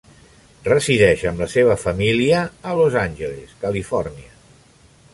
Resideix amb la seva família a Los Angeles, Califòrnia.